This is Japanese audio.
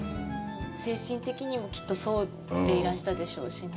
精神的にも、きっと、そうでいらしたでしょうしね。